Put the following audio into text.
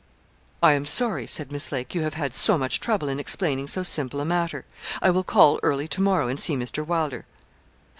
'I am sorry,' said Miss Lake, 'you have had so much trouble in explaining so simple a matter. I will call early to morrow, and see Mr. Wylder.'